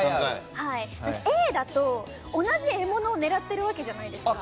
Ａだと同じ獲物を狙ってるわけじゃないですか。